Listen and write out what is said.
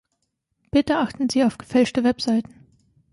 Bitte achten Sie auf gefälschte Webseiten.